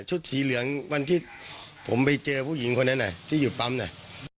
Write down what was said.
สีเหลืองวันที่ผมไปเจอผู้หญิงคนนั้นที่อยู่ปั๊มน่ะ